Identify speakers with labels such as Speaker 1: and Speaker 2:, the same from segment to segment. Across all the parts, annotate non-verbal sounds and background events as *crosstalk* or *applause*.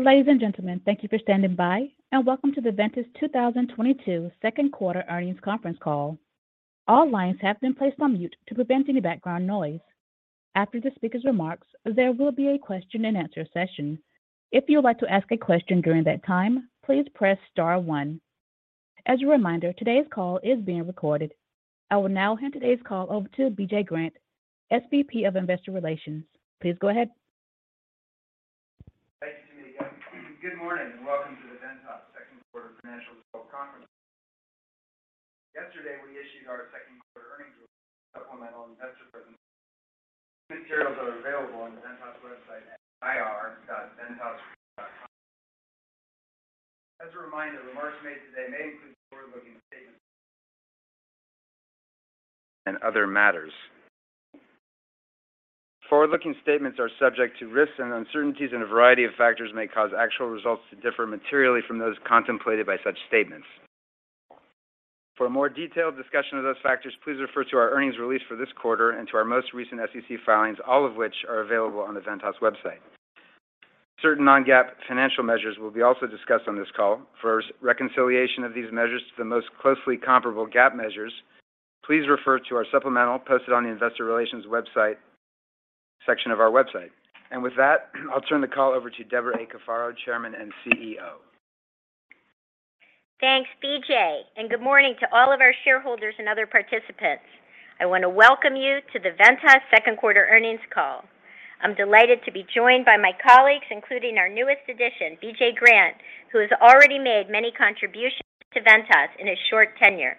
Speaker 1: Ladies and gentlemen, thank you for standing by, and welcome to the Ventas 2022 Second Quarter Earnings Conference Call. All lines have been placed on mute to prevent any background noise. After the speaker's remarks, there will be a question-and-answer session. If you would like to ask a question during that time, please press star one. As a reminder, today's call is being recorded. I will now hand today's call over to BJ Grant, SVP of Investor Relations. Please go ahead.
Speaker 2: Thank you, Tamira. Good morning and welcome to the Ventas second quarter financial results conference. Yesterday, we issued our second quarter earnings release and supplemental investor presentation. These materials are available on the Ventas website at ir.ventas.com. As a reminder, remarks made today may include forward-looking statements and other matters. Forward-looking statements are subject to risks and uncertainties and a variety of factors may cause actual results to differ materially from those contemplated by such statements. For a more detailed discussion of those factors, please refer to our earnings release for this quarter and to our most recent SEC filings, all of which are available on the Ventas website. Certain non-GAAP financial measures will be also discussed on this call. For reconciliation of these measures to the most closely comparable GAAP measures, please refer to our supplemental posted on the Investor Relations website section of our website. With that, I'll turn the call over to Debra Cafaro, Chairman and CEO.
Speaker 3: Thanks, BJ, and good morning to all of our shareholders and other participants. I want to welcome you to the Ventas second quarter earnings call. I'm delighted to be joined by my colleagues, including our newest addition, BJ Grant, who has already made many contributions to Ventas in his short tenure.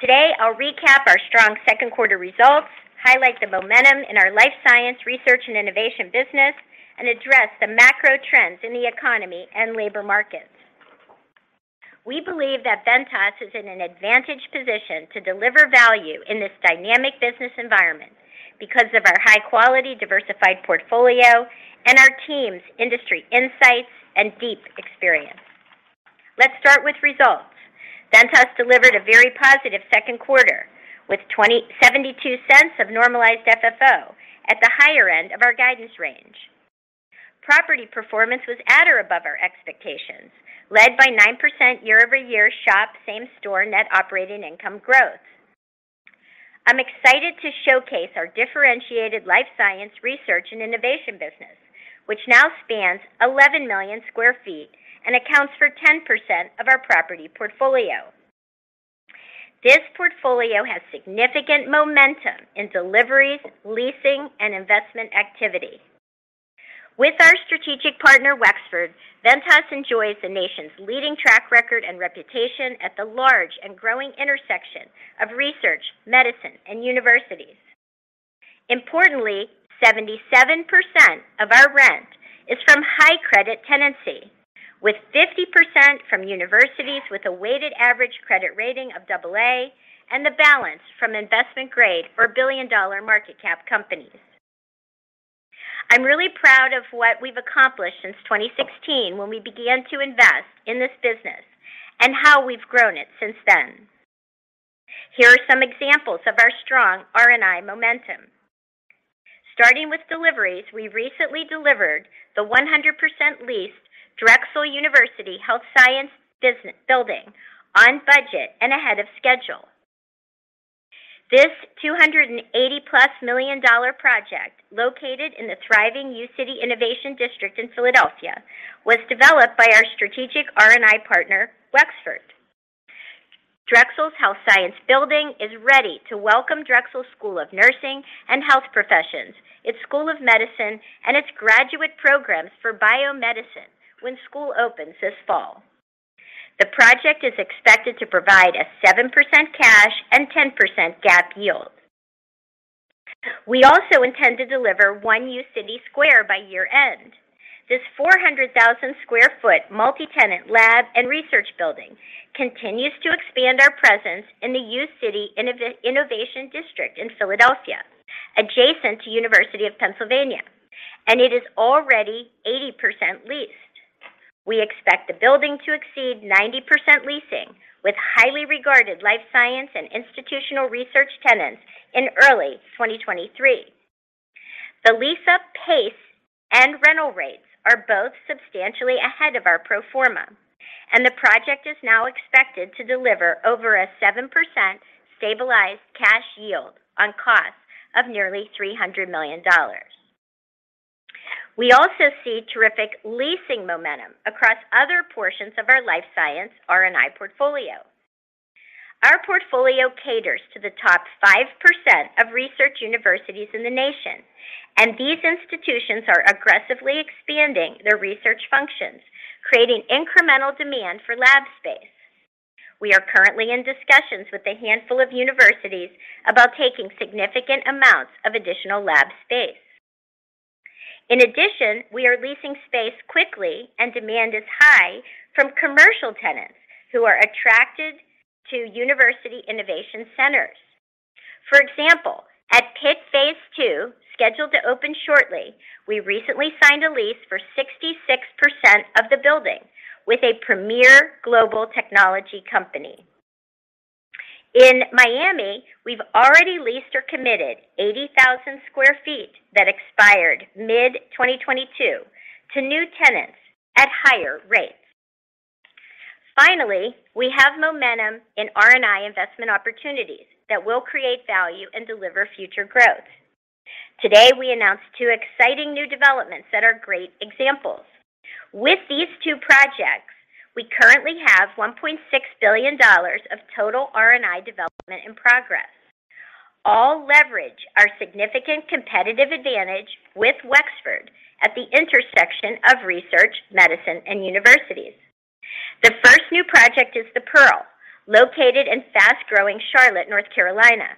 Speaker 3: Today, I'll recap our strong second quarter results, highlight the momentum in our life science research and innovation business, and address the macro trends in the economy and labor markets. We believe that Ventas is in an advantaged position to deliver value in this dynamic business environment because of our high-quality, diversified portfolio and our team's industry insights and deep experience. Let's start with results. Ventas delivered a very positive second quarter with $0.72 of normalized FFO at the higher end of our guidance range. Property performance was at or above our expectations, led by 9% year-over-year SHOP same-store net operating income growth. I'm excited to showcase our differentiated life science research and innovation business, which now spans 11 million sq ft and accounts for 10% of our property portfolio. This portfolio has significant momentum in deliveries, leasing, and investment activity. With our strategic partner, Wexford, Ventas enjoys the nation's leading track record and reputation at the large and growing intersection of research, medicine, and universities. Importantly, 77% of our rent is from high credit tenancy, with 50% from universities with a weighted average credit rating of double A and the balance from investment-grade or billion-dollar market cap companies. I'm really proud of what we've accomplished since 2016 when we began to invest in this business and how we've grown it since then. Here are some examples of our strong R&I momentum. Starting with deliveries, we recently delivered the 100% leased Drexel University Health Sciences Building on budget and ahead of schedule. This $280+ million project, located in the thriving uCity Innovation District in Philadelphia, was developed by our strategic R&I partner, Wexford Science & Technology. Drexel's Health Sciences Building is ready to welcome Drexel University College of Nursing and Health Professions, its School of Medicine, and its graduate programs for biomedicine when school opens this fall. The project is expected to provide a 7% cash and 10% GAAP yield. We also intend to deliver One uCity Square by year-end. This 400,000 sq ft multi-tenant lab and research building continues to expand our presence in the uCity Innovation District in Philadelphia, adjacent to University of Pennsylvania, and it is already 80% leased. We expect the building to exceed 90% leasing with highly regarded life science and institutional research tenants in early 2023. The lease-up pace and rental rates are both substantially ahead of our pro forma, and the project is now expected to deliver over a 7% stabilized cash yield on costs of nearly $300 million. We also see terrific leasing momentum across other portions of our life science R&I portfolio. Our portfolio caters to the top 5% of research universities in the nation, and these institutions are aggressively expanding their research functions, creating incremental demand for lab space. We are currently in discussions with a handful of universities about taking significant amounts of additional lab space. In addition, we are leasing space quickly and demand is high from commercial tenants who are attracted to university innovation centers. For example, at Pitt Phase II, scheduled to open shortly, we recently signed a lease for 66% of the building with a premier global technology company. In Miami, we've already leased or committed 80,000 sq ft that expired mid-2022 to new tenants at higher rates. Finally, we have momentum in R&I investment opportunities that will create value and deliver future growth. Today, we announced two exciting new developments that are great examples. With these two projects, we currently have $1.6 billion of total R&I development in progress. All leverage our significant competitive advantage with Wexford at the intersection of research, medicine, and universities. The first new project is the Pearl, located in fast-growing Charlotte, North Carolina.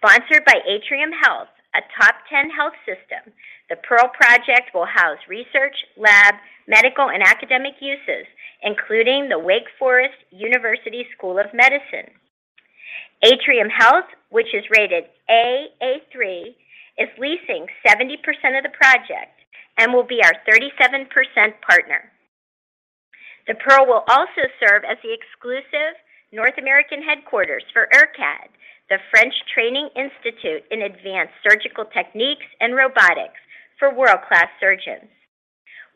Speaker 3: Sponsored by Atrium Health, a top ten health system, the Pearl project will house research, lab, medical, and academic uses, including the Wake Forest University School of Medicine. Atrium Health, which is rated AA3, is leasing 70% of the project and will be our 37% partner. The Pearl will also serve as the exclusive North American headquarters for IRCAD, the French Training Institute in Advanced Surgical Techniques and Robotics for world-class surgeons.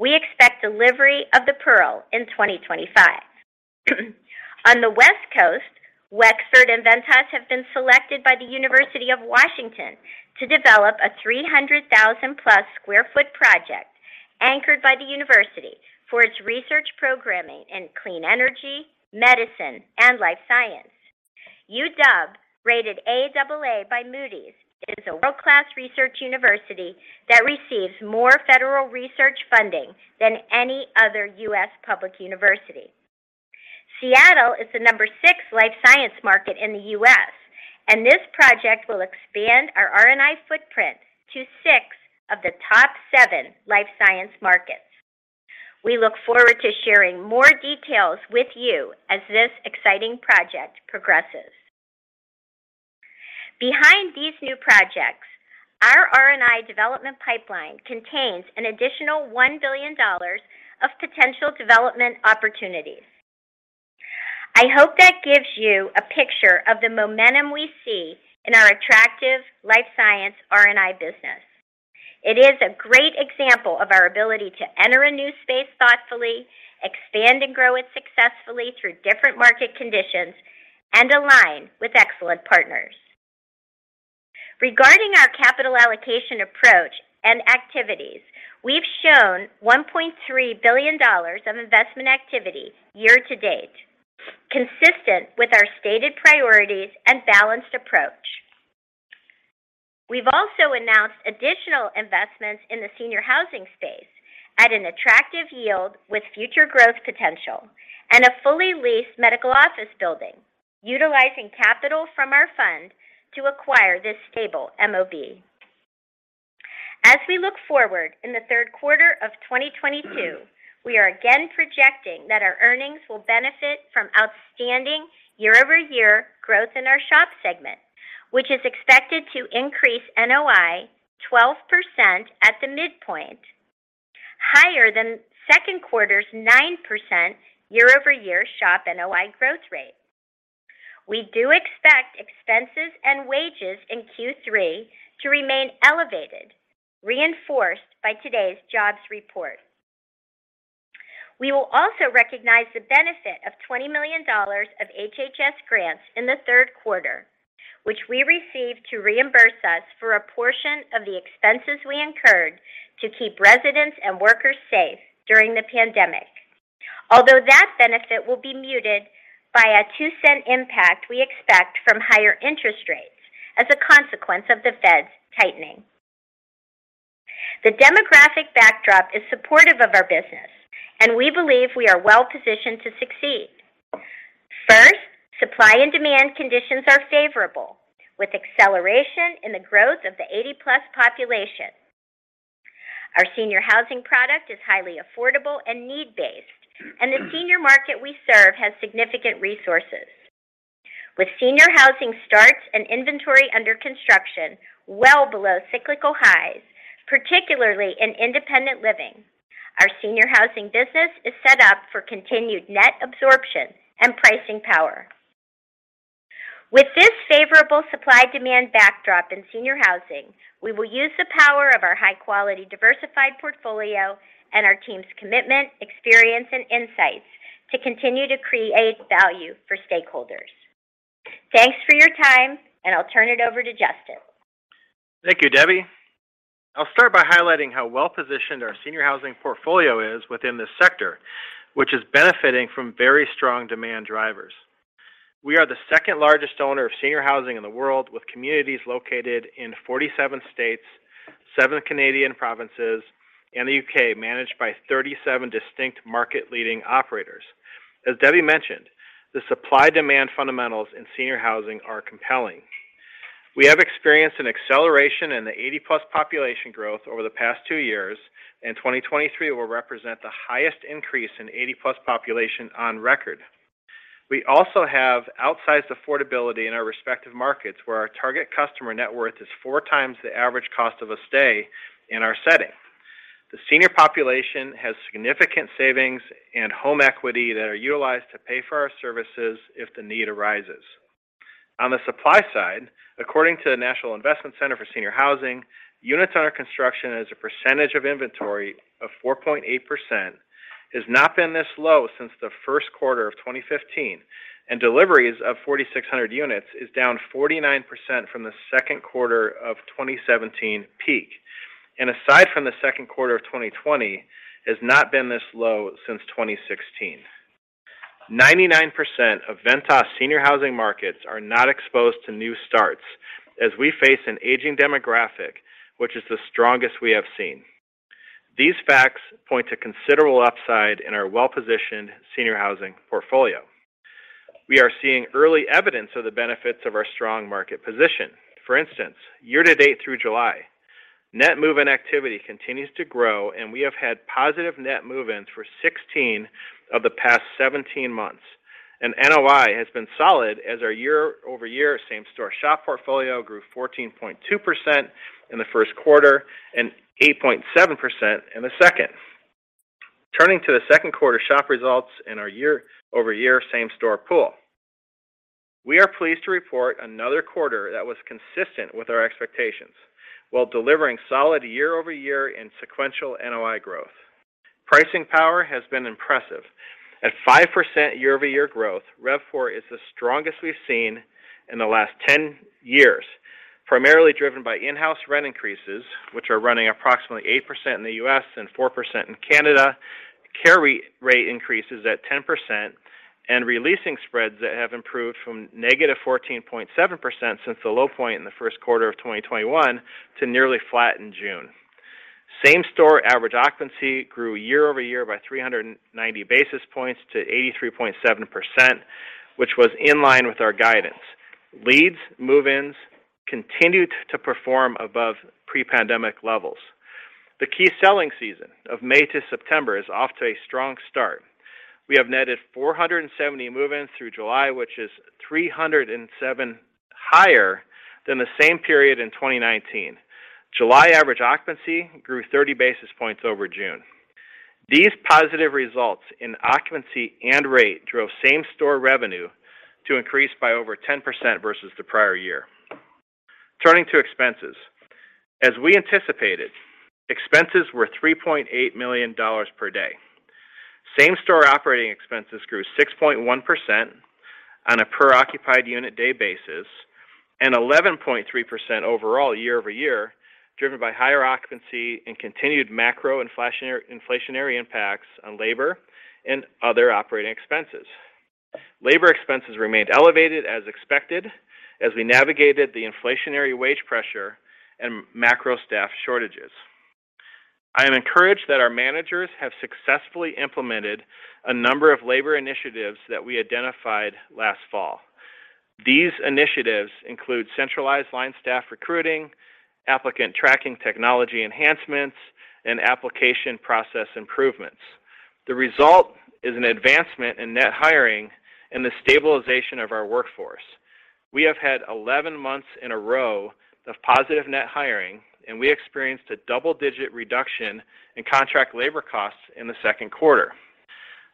Speaker 3: We expect delivery of the Pearl in 2025. On the West Coast, Wexford and Ventas have been selected by the University of Washington to develop a 300,000+ sq ft project anchored by the university for its research programming in clean energy, medicine, and life science. UW, rated AA by Moody's, is a world-class research university that receives more federal research funding than any other U.S. public university. Seattle is the number six life science market in the U.S., and this project will expand our R&I footprint to six of the top seven life science markets. We look forward to sharing more details with you as this exciting project progresses. Behind these new projects, our R&I development pipeline contains an additional $1 billion of potential development opportunities. I hope that gives you a picture of the momentum we see in our attractive life science R&I business. It is a great example of our ability to enter a new space thoughtfully, expand and grow it successfully through different market conditions, and align with excellent partners. Regarding our capital allocation approach and activities, we've shown $1.3 billion of investment activity year to date, consistent with our stated priorities and balanced approach. We've also announced additional investments in the senior housing space at an attractive yield with future growth potential and a fully leased medical office building, utilizing capital from our fund to acquire this stable MOB. As we look forward in the third quarter of 2022, we are again projecting that our earnings will benefit from outstanding year-over-year growth in our SHOP segment, which is expected to increase NOI 12% at the midpoint, higher than second quarter's 9% year-over-year SHOP NOI growth rate. We do expect expenses and wages in Q3 to remain elevated, reinforced by today's jobs report. We will also recognize the benefit of $20 million of HHS grants in the third quarter, which we received to reimburse us for a portion of the expenses we incurred to keep residents and workers safe during the pandemic. Although that benefit will be muted by a $0.02 impact we expect from higher interest rates as a consequence of the Fed's tightening. The demographic backdrop is supportive of our business, and we believe we are well-positioned to succeed. First, supply and demand conditions are favorable, with acceleration in the growth of the 80+ population. Our senior housing product is highly affordable and need-based, and the senior market we serve has significant resources. With senior housing starts and inventory under construction well below cyclical highs, particularly in independent living, our senior housing business is set up for continued net absorption and pricing power. With this favorable supply-demand backdrop in senior housing, we will use the power of our high-quality diversified portfolio and our team's commitment, experience, and insights to continue to create value for stakeholders. Thanks for your time, and I'll turn it over to Justin.
Speaker 4: Thank you, Debbie. I'll start by highlighting how well-positioned our senior housing portfolio is within this sector, which is benefiting from very strong demand drivers. We are the second-largest owner of senior housing in the world, with communities located in 47 states, seven Canadian provinces, and the U.K., managed by 37 distinct market-leading operators. As Debbie mentioned, the supply-demand fundamentals in senior housing are compelling. We have experienced an acceleration in the 80+ population growth over the past two years, and 2023 will represent the highest increase in 80+ population on record. We also have outsized affordability in our respective markets, where our target customer net worth is four times the average cost of a stay in our setting. The senior population has significant savings and home equity that are utilized to pay for our services if the need arises. On the supply side, according to the National Investment Center for Senior Housing, units under construction as a percentage of inventory of 4.8% has not been this low since the first quarter of 2015, and deliveries of 4,600 units is down 49% from the second quarter of 2017 peak, and aside from the second quarter of 2020, has not been this low since 2016. 99% of Ventas senior housing markets are not exposed to new starts as we face an aging demographic, which is the strongest we have seen. These facts point to considerable upside in our well-positioned senior housing portfolio. We are seeing early evidence of the benefits of our strong market position. For instance, year-to-date through July, net move-in activity continues to grow, and we have had positive net move-ins for 16 of the past 17 months. NOI has been solid as our year-over-year same-store SHOP portfolio grew 14.2% in the first quarter and 8.7% in the second. Turning to the second quarter SHOP results in our year-over-year same-store pool. We are pleased to report another quarter that was consistent with our expectations while delivering solid year-over-year and sequential NOI growth. Pricing power has been impressive. At 5% year-over-year growth, RevPAR is the strongest we've seen in the last 10 years, primarily driven by in-house rent increases, which are running approximately 8% in the U.S. and 4% in Canada, carry rate increases at 10%, and re-leasing spreads that have improved from negative 14.7% since the low point in the first quarter of 2021 to nearly flat in June. Same-store average occupancy grew year-over-year by 390 basis points to 83.7%, which was in line with our guidance. Leads, move-ins continued to perform above pre-pandemic levels. The key selling season of May to September is off to a strong start. We have netted 470 move-ins through July, which is 307 higher than the same period in 2019. July average occupancy grew 30 basis points over June. These positive results in occupancy and rate drove same-store revenue to increase by over 10% versus the prior year. Turning to expenses. As we anticipated, expenses were $3.8 million per day. Same-store operating expenses grew 6.1% on a per occupied unit day basis and 11.3% overall year-over-year, driven by higher occupancy and continued macro inflationary impacts on labor and other operating expenses. Labor expenses remained elevated as expected as we navigated the inflationary wage pressure and macro staff shortages. I am encouraged that our managers have successfully implemented a number of labor initiatives that we identified last fall. These initiatives include centralized line staff recruiting, applicant tracking technology enhancements, and application process improvements. The result is an advancement in net hiring and the stabilization of our workforce. We have had 11 months in a row of positive net hiring, and we experienced a double-digit reduction in contract labor costs in the second quarter.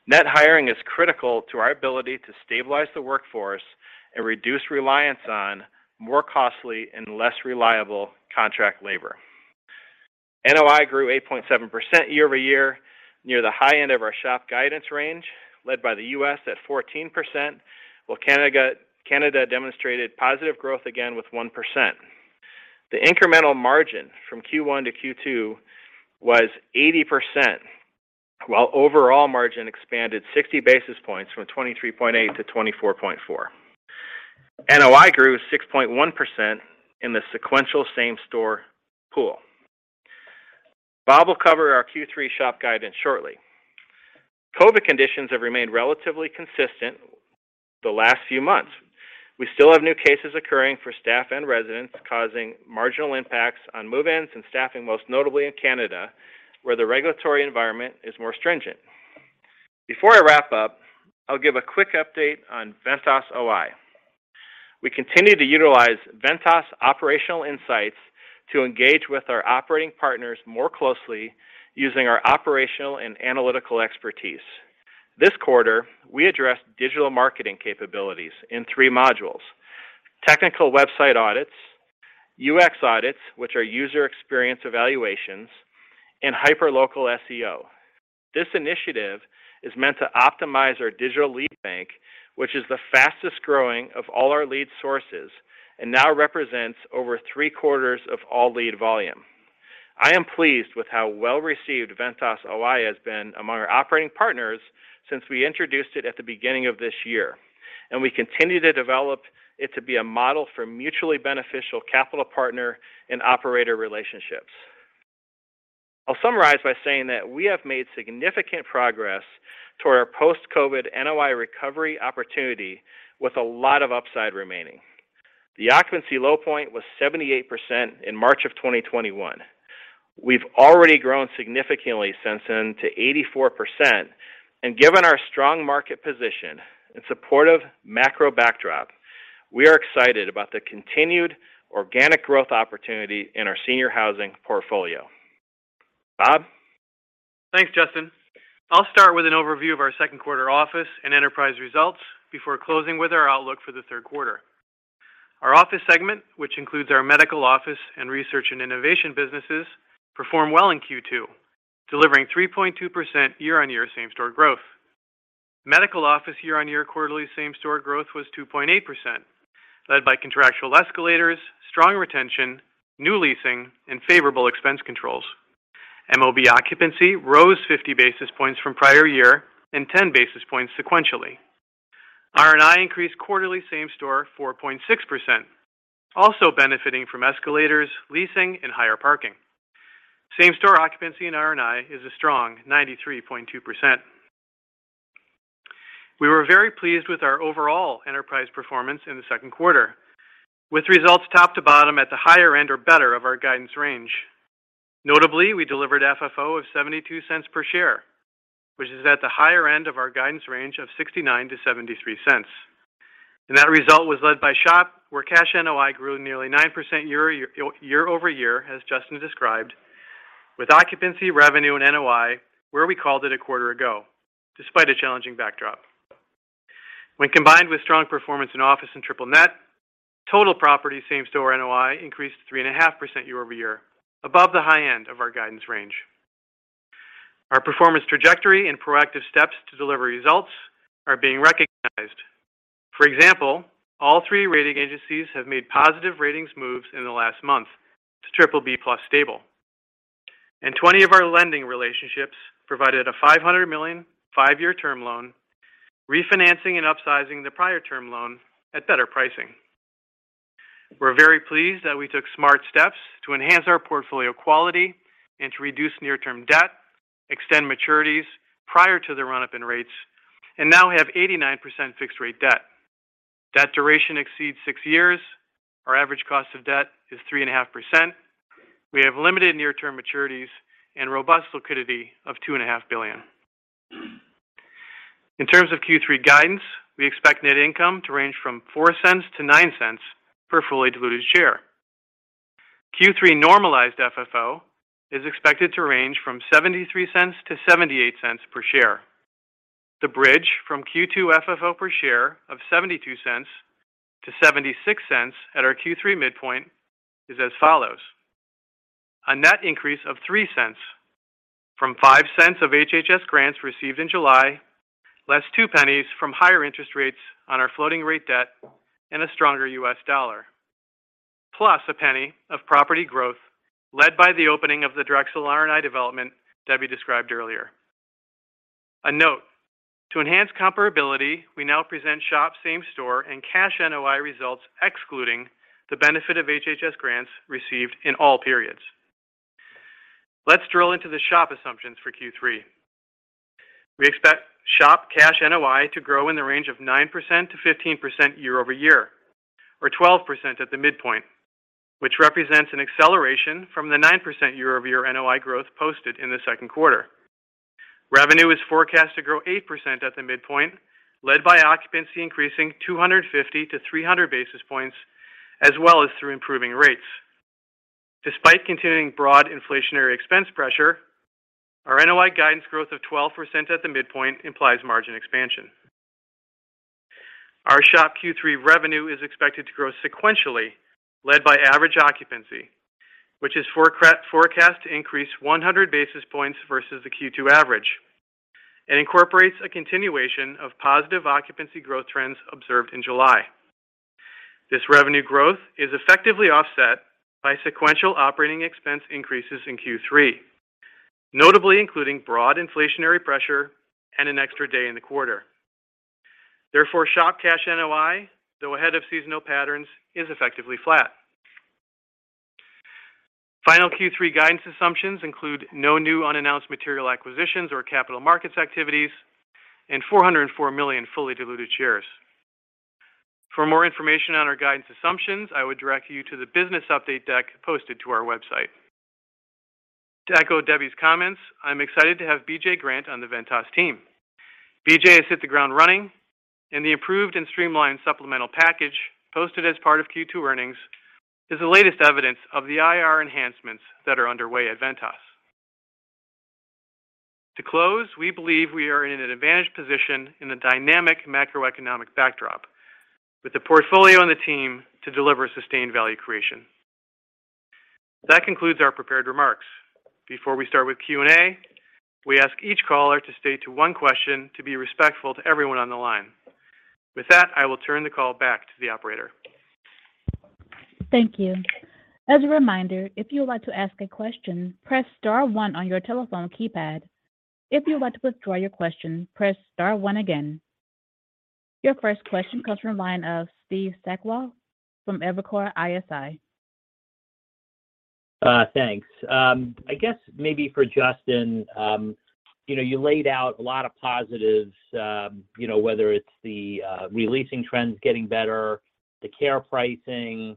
Speaker 4: Net hiring is critical to our ability to stabilize the workforce and reduce reliance on more costly and less reliable contract labor. NOI grew 8.7% year-over-year, near the high end of our SHOP guidance range, led by the U.S. at 14%, while Canada demonstrated positive growth again with 1%. The incremental margin from Q1 to Q2 was 80%, while overall margin expanded 60 basis points from 23.8 to 24.4. NOI grew 6.1% in the sequential same-store pool. Bob will cover our Q3 SHOP guidance shortly. COVID conditions have remained relatively consistent the last few months. We still have new cases occurring for staff and residents, causing marginal impacts on move-ins and staffing, most notably in Canada, where the regulatory environment is more stringent. Before I wrap up, I'll give a quick update on Ventas OI. We continue to utilize Ventas Operational Insights to engage with our operating partners more closely using our operational and analytical expertise. This quarter, we addressed digital marketing capabilities in three modules: technical website audits, UX audits, which are user experience evaluations, and hyper-local SEO. This initiative is meant to optimize our digital lead bank, which is the fastest-growing of all our lead sources and now represents over three-quarters of all lead volume. I am pleased with how well-received Ventas OI has been among our operating partners since we introduced it at the beginning of this year, and we continue to develop it to be a model for mutually beneficial capital partner and operator relationships. I'll summarize by saying that we have made significant progress toward our post-COVID NOI recovery opportunity with a lot of upside remaining. The occupancy low point was 78% in March 2021. We've already grown significantly since then to 84%. Given our strong market position and supportive macro backdrop we are excited about the continued organic growth opportunity in our senior housing portfolio. Bob?
Speaker 5: Thanks, Justin. I'll start with an overview of our second quarter office and enterprise results before closing with our outlook for the third quarter. Our office segment, which includes our medical office and research and innovation businesses, performed well in Q2, delivering 3.2% year-on-year same-store growth. Medical office year-on-year quarterly same-store growth was 2.8%, led by contractual escalators, strong retention, new leasing, and favorable expense controls. MOB occupancy rose 50 basis points from prior year and 10 basis points sequentially. R&I increased quarterly same-store 4.6%, also benefiting from escalators, leasing, and higher parking. Same-store occupancy in R&I is a strong 93.2%. We were very pleased with our overall enterprise performance in the second quarter, with results top to bottom at the higher end or better of our guidance range. Notably, we delivered FFO of $0.72 per share, which is at the higher end of our guidance range of $0.69-$0.73. That result was led by SHOP, where cash NOI grew nearly 9% year-over-year, as Justin described, with occupancy revenue and NOI where we called it a quarter ago, despite a challenging backdrop. When combined with strong performance in office and triple net, total property same-store NOI increased 3.5% year-over-year, above the high end of our guidance range. Our performance trajectory and proactive steps to deliver results are being recognized. For example, all three rating agencies have made positive ratings moves in the last month to BBB+ stable. 20 of our lending relationships provided a $500 million, five-year term loan, refinancing and upsizing the prior term loan at better pricing. We're very pleased that we took smart steps to enhance our portfolio quality and to reduce near-term debt, extend maturities prior to the run-up in rates, and now have 89% fixed rate debt. Debt duration exceeds six years. Our average cost of debt is 3.5%. We have limited near-term maturities and robust liquidity of $2.5 billion. In terms of Q3 guidance, we expect net income to range from $0.04-$0.09 per fully diluted share. Q3 normalized FFO is expected to range from $0.73-$0.78 per share. The bridge from Q2 FFO per share of $0.72 to $0.76 at our Q3 midpoint is as follows: a net increase of $0.03 from $0.05 of HHS grants received in July, less $0.02 from higher interest rates on our floating rate debt and a stronger U.S. dollar. Plus $0.01 of property growth led by the opening of the Drexel R&I development Debbie described earlier. A note. To enhance comparability, we now present SHOP same-store and cash NOI results excluding the benefit of HHS grants received in all periods. Let's drill into the SHOP assumptions for Q3. We expect SHOP cash NOI to grow in the range of 9%-15% year-over-year, or 12% at the midpoint, which represents an acceleration from the 9% year-over-year NOI growth posted in the second quarter. Revenue is forecast to grow 8% at the midpoint, led by occupancy increasing 250-300 basis points, as well as through improving rates. Despite continuing broad inflationary expense pressure, our NOI guidance growth of 12% at the midpoint implies margin expansion. Our SHOP Q3 revenue is expected to grow sequentially, led by average occupancy, which is forecast to increase 100 basis points versus the Q2 average, and incorporates a continuation of positive occupancy growth trends observed in July. This revenue growth is effectively offset by sequential operating expense increases in Q3, notably including broad inflationary pressure and an extra day in the quarter. Therefore, SHOP cash NOI, though ahead of seasonal patterns, is effectively flat. Final Q3 guidance assumptions include no new unannounced material acquisitions or capital markets activities and 404 million fully diluted shares. For more information on our guidance assumptions, I would direct you to the business update deck posted to our website. To echo Debbie's comments, I'm excited to have BJ Grant on the Ventas team. BJ has hit the ground running, and the improved and streamlined supplemental package posted as part of Q2 earnings is the latest evidence of the IR enhancements that are underway at Ventas. To close, we believe we are in an advantaged position in the dynamic macroeconomic backdrop with the portfolio and the team to deliver sustained value creation. That concludes our prepared remarks. Before we start with Q&A, we ask each caller to stay to one question to be respectful to everyone on the line. With that, I will turn the call back to the operator.
Speaker 1: Thank you. As a reminder, if you would like to ask a question, press star one on your telephone keypad. If you would like to withdraw your question, press star one again. Your first question comes from the line of Steve Sakwa from Evercore ISI.
Speaker 6: Thanks. I guess maybe for Justin, you know, you laid out a lot of positives, you know, whether it's the re-leasing trends getting better, the care pricing.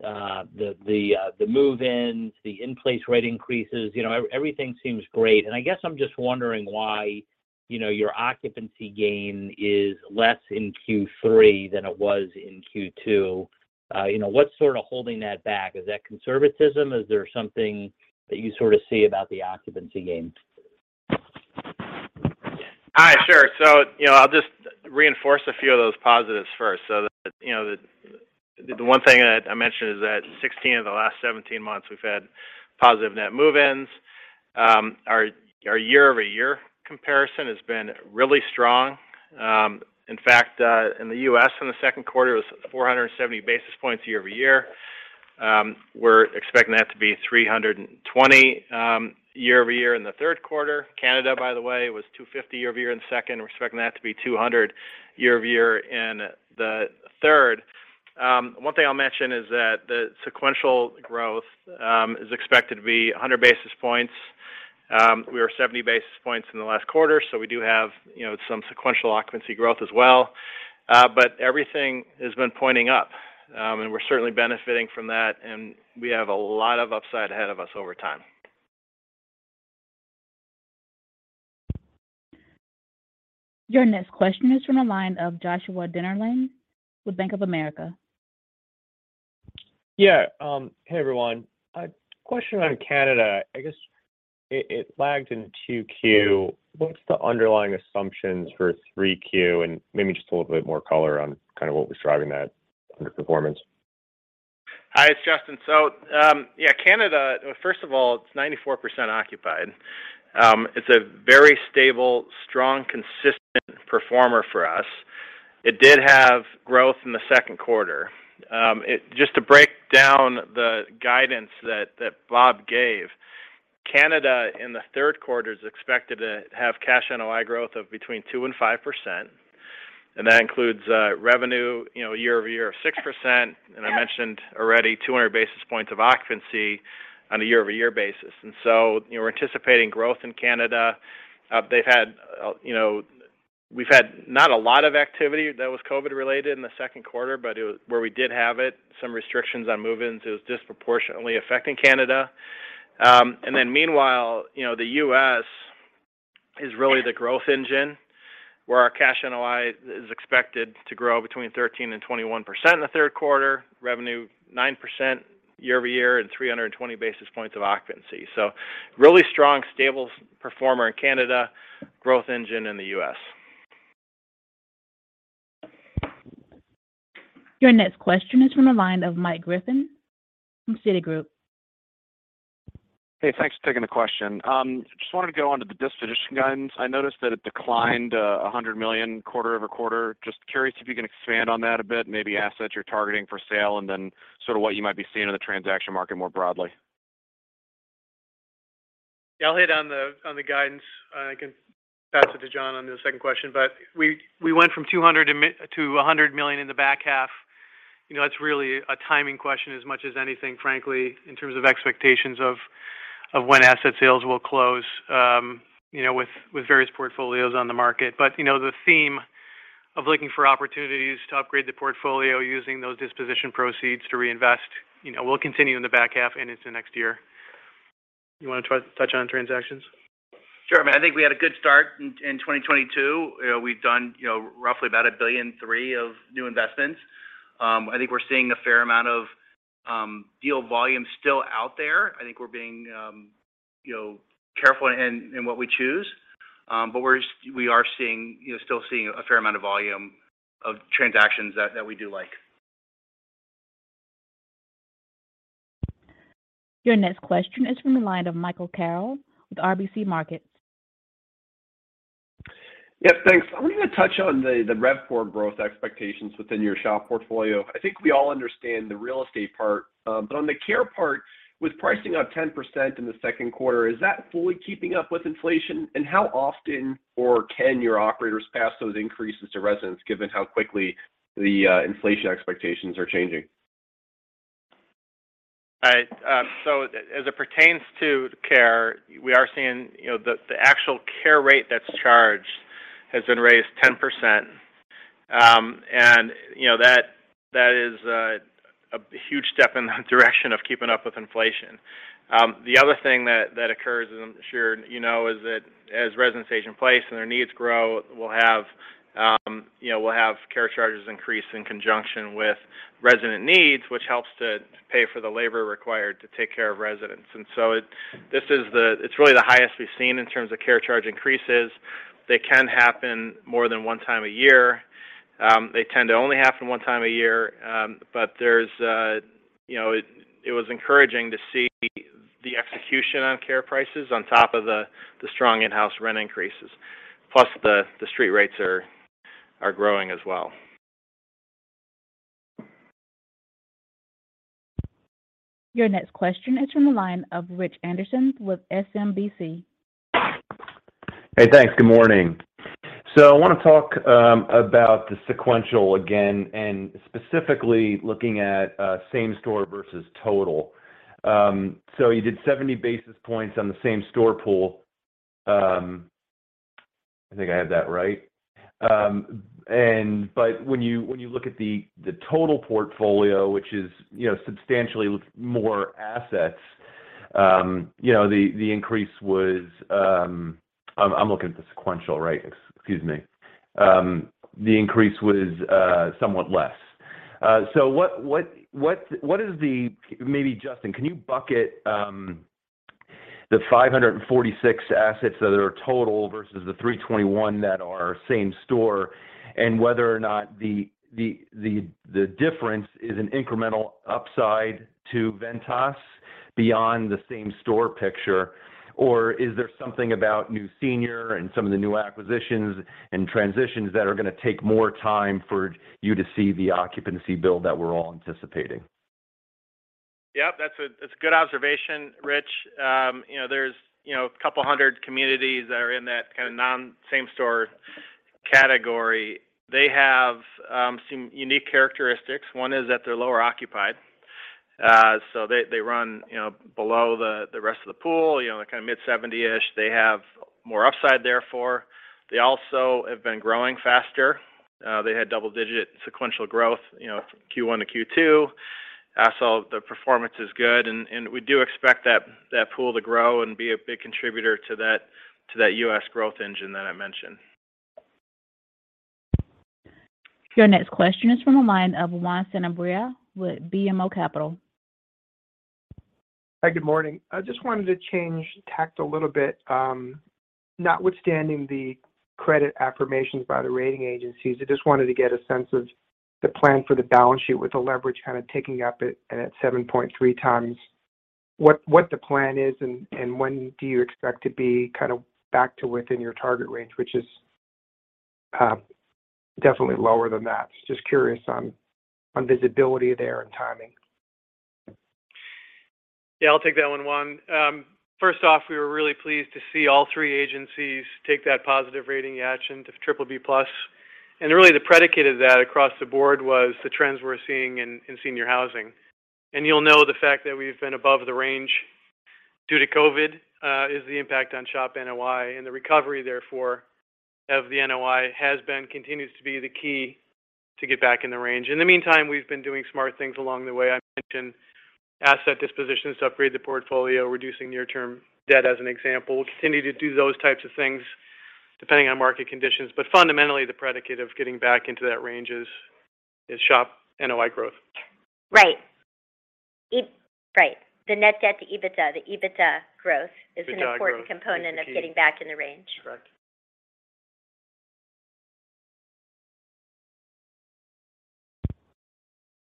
Speaker 6: The move-ins, the in-place rate increases, you know, everything seems great. I guess I'm just wondering why, you know, your occupancy gain is less in Q3 than it was in Q2. You know, what's sort of holding that back? Is that conservatism? Is there something that you sort of see about the occupancy gain?
Speaker 4: Hi. Sure. You know, I'll just reinforce a few of those positives first so that, you know, the one thing that I mentioned is that 16 of the last 17 months we've had positive net move-ins. Our year-over-year comparison has been really strong. In fact, in the U.S. in the second quarter it was 470 basis points year-over-year. We're expecting that to be 320 year-over-year in the third quarter. Canada, by the way, was 250 year-over-year in the second. We're expecting that to be 200 year-over-year in the third. One thing I'll mention is that the sequential growth is expected to be 100 basis points. We were 70 basis points in the last quarter, so we do have, you know, some sequential occupancy growth as well. Everything has been pointing up. We're certainly benefiting from that, and we have a lot of upside ahead of us over time.
Speaker 1: Your next question is from the line of Joshua Dennerlein with Bank of America.
Speaker 7: Hey, everyone. A question on Canada. I guess it lagged in Q2. What's the underlying assumptions for Q3? Maybe just a little bit more color on kind of what was driving that underperformance.
Speaker 4: Hi, it's Justin. Yeah, Canada, first of all, it's 94% occupied. It's a very stable, strong, consistent performer for us. It did have growth in the second quarter. Just to break down the guidance that Bob gave, Canada in the third quarter is expected to have cash NOI growth of between 2% and 5%, and that includes revenue, you know, year-over-year of 6%, and I mentioned already 200 basis points of occupancy on a year-over-year basis. You know, we're anticipating growth in Canada. They've had, you know, we've had not a lot of activity that was COVID related in the second quarter, but where we did have it, some restrictions on move-ins, it was disproportionately affecting Canada. Meanwhile, you know, the U.S. is really the growth engine where our cash NOI is expected to grow between 13% and 21% in the third quarter, revenue 9% year-over-year and 320 basis points of occupancy. Really strong, stable performer in Canada, growth engine in the U.S.
Speaker 1: Your next question is from the line of Michael Griffin from Citigroup.
Speaker 8: Hey, thanks for taking the question. Just wanted to go on to the disposition guidance. I noticed that it declined $100 million quarter-over-quarter. Just curious if you can expand on that a bit, maybe assets you're targeting for sale, and then sort of what you might be seeing in the transaction market more broadly.
Speaker 5: Yeah. I'll hit on the guidance, can pass it to John on the second question. We went from $200 million to $100 million in the back half. You know, that's really a timing question as much as anything, frankly, in terms of expectations of when asset sales will close, you know, with various portfolios on the market. You know, the theme of looking for opportunities to upgrade the portfolio using those disposition proceeds to reinvest, you know, will continue in the back half and into next year. You wanna try to touch on transactions?
Speaker 4: Sure, man. I think we had a good start in 2022. You know, we've done, you know, roughly about $1.3 billion of new investments. I think we're seeing a fair amount of deal volume still out there. I think we're being, you know, careful in what we choose. We're seeing, you know, a fair amount of volume of transactions that we do like.
Speaker 1: Your next question is from the line of Michael Carroll with RBC Capital Markets.
Speaker 9: Yeah, thanks. I want you to touch on the RevPOR growth expectations within your SHOP portfolio. I think we all understand the real estate part. But on the care part, with pricing up 10% in the second quarter, is that fully keeping up with inflation? How often or can your operators pass those increases to residents given how quickly the inflation expectations are changing?
Speaker 4: All right. As it pertains to care, we are seeing, you know, the actual care rate that's charged has been raised 10%. You know, that is a huge step in the direction of keeping up with inflation. The other thing that occurs, as I'm sure you know, is that as residents age in place and their needs grow, we'll have, you know, care charges increase in conjunction with resident needs, which helps to pay for the labor required to take care of residents. It's really the highest we've seen in terms of care charge increases. They can happen more than one time a year. They tend to only happen one time a year. There's you know it was encouraging to see the execution on care prices on top of the strong in-house rent increases. Plus the street rates are growing as well.
Speaker 1: Your next question is from the line of Rich Anderson with SMBC.
Speaker 10: Hey, thanks. Good morning. I wanna talk about the sequential again, and specifically looking at same store versus total. You did 70 basis points on the same store pool. I think I have that right. When you look at the total portfolio, which is, you know, substantially more assets, you know, the increase was. I'm looking at the sequential, right? Excuse me. The increase was somewhat less. What is the. Maybe Justin, can you bucket the 546 assets that are total versus the 321 that are same store, and whether or not the difference is an incremental upside to Ventas beyond the same-store picture? Or is there something about New Senior and some of the new acquisitions and transitions that are gonna take more time for you to see the occupancy build that we're all anticipating?
Speaker 4: Yeah. That's a good observation, Rich. You know, there's a couple hundred communities that are in that kind of non-same store category. They have some unique characteristics. One is that they're lower occupied. So they run, you know, below the rest of the pool, you know, kind of mid-70-ish. They have more upside therefore. They also have been growing faster. They had double-digit sequential growth, you know, from Q1 to Q2. So the performance is good and we do expect that pool to grow and be a big contributor to that U.S. growth engine that I mentioned.
Speaker 1: Your next question is from the line of Juan Sanabria with BMO Capital Markets.
Speaker 11: Hi. Good morning. I just wanted to change tack a little bit. Notwithstanding the credit affirmations by the rating agencies, I just wanted to get a sense of the plan for the balance sheet with the leverage kind of ticking up at 7.3x. What the plan is and when do you expect to be kind of back to within your target range, which is definitely lower than that? Just curious on visibility there and timing.
Speaker 5: Yeah, I'll take that one, Juan. First off, we were really pleased to see all three agencies take that positive rating action to BBB+. Really the predicate of that across the board was the trends we're seeing in senior housing. You'll know the fact that we've been above the range due to COVID is the impact on SHOP NOI. The recovery therefore of the NOI continues to be the key to get back in the range. In the meantime, we've been doing smart things along the way. I mentioned asset dispositions to upgrade the portfolio, reducing near-term debt as an example. We'll continue to do those types of things depending on market conditions, but fundamentally the predicate of getting back into that range is SHOP NOI growth.
Speaker 3: Right. The net debt to EBITDA, the EBITDA *crosstalk* growth is an important component of getting back in the range.
Speaker 5: Correct.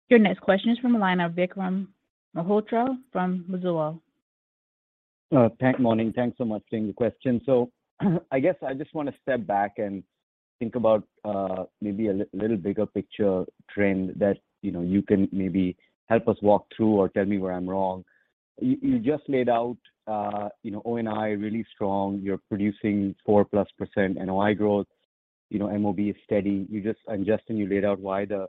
Speaker 1: Your next question is from the line of Vikram Malhotra from Mizuho.
Speaker 12: Good morning. Thanks so much for taking the question. I guess I just wanna step back and think about, maybe a little bigger picture trend that, you know, you can maybe help us walk through or tell me where I'm wrong. You just laid out, you know, NOI really strong. You're producing 4%+ NOI growth. You know, MOB is steady. Justin, you laid out why the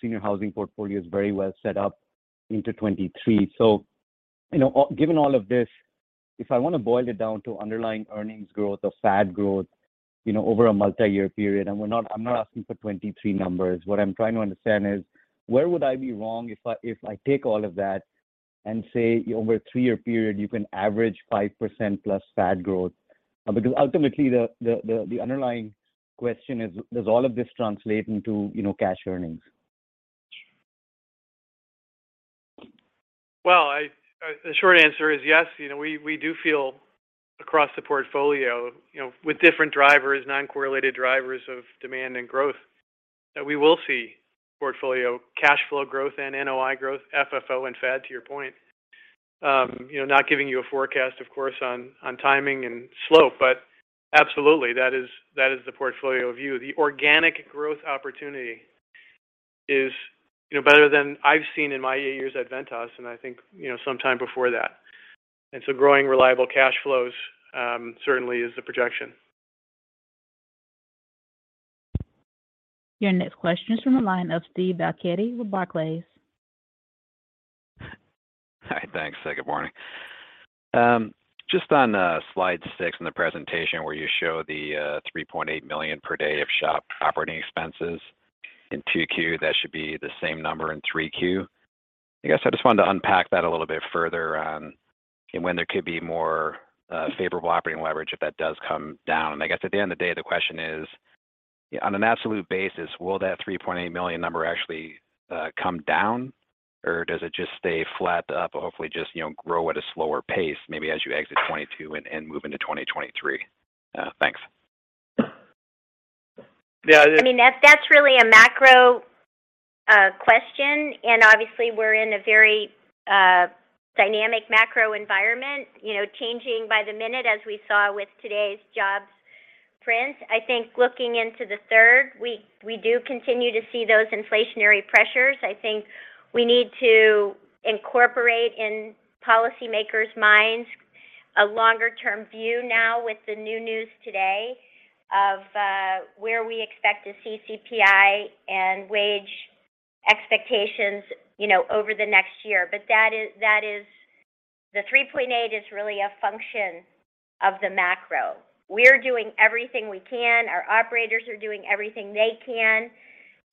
Speaker 12: senior housing portfolio is very well set up into 2023. You know, given all of this, if I wanna boil it down to underlying earnings growth or FAD growth, you know, over a multi-year period, and I'm not asking for 2023 numbers. What I'm trying to understand is where would I be wrong if I take all of that and say over a three-year period, you can average 5%+ FAD growth. Because ultimately the underlying question is, does all of this translate into, you know, cash earnings?
Speaker 4: Well, the short answer is yes. You know, we do feel across the portfolio, you know, with different drivers, non-correlated drivers of demand and growth, that we will see portfolio cash flow growth and NOI growth, FFO, and FAD, to your point. You know, not giving you a forecast, of course, on timing and slope, but absolutely, that is the portfolio view. The organic growth opportunity is, you know, better than I've seen in my eight years at Ventas, and I think, you know, some time before that. Growing reliable cash flows certainly is the projection.
Speaker 1: Your next question is from the line of Steven Valiquette with Barclays.
Speaker 13: Hi. Thanks. Good morning. Just on slide six in the presentation where you show the $3.8 million per day of SHOP operating expenses in Q2, that should be the same number in Q3. I guess I just wanted to unpack that a little bit further, and when there could be more favorable operating leverage if that does come down. I guess at the end of the day, the question is, on an absolute basis, will that $3.8 million number actually come down or does it just stay flat up or hopefully just, you know, grow at a slower pace maybe as you exit 2022 and move into 2023? Thanks.
Speaker 5: Yeah.
Speaker 3: I mean, that's really a macro question, and obviously we're in a very dynamic macro environment, you know, changing by the minute as we saw with today's jobs print. I think looking into the third, we do continue to see those inflationary pressures. I think we need to incorporate in policymakers' minds a longer term view now with the new news today of where we expect to see CPI and wage expectations, you know, over the next year. That is, the 3.8 is really a function of the macro. We're doing everything we can, our operators are doing everything they can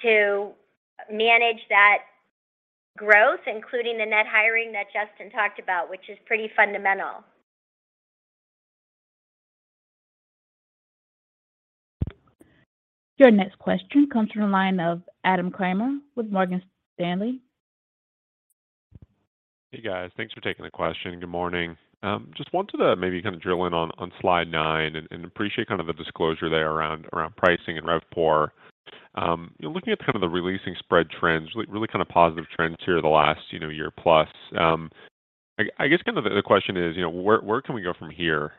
Speaker 3: to manage that growth, including the net hiring that Justin talked about, which is pretty fundamental.
Speaker 1: Your next question comes from the line of Adam Kramer with Morgan Stanley.
Speaker 14: Hey, guys. Thanks for taking the question. Good morning. Just wanted to maybe kind of drill in on slide nine and appreciate kind of the disclosure there around pricing and RevPAR. You know, looking at kind of the releasing spread trends, really kind of positive trends here the last, you know, year plus. I guess kind of the question is, you know, where can we go from here?